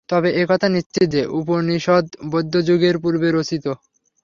তবে এ-কথা নিশ্চিত যে, উপনিষদ বৌদ্ধযুগের পূর্বে রচিত।